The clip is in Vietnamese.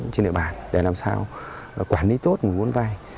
trên địa bàn để làm sao quản lý tốt nguồn vốn vay